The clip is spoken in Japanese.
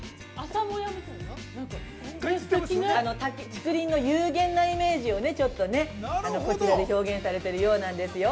◆さっき竹林のイメージをちょっとこちらで表現されているようなんですよ。